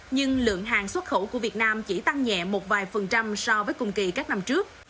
nhưng lượng hàng xuất khẩu của việt nam chỉ tăng nhẹ một vài phần trăm so với cùng kỳ các năm trước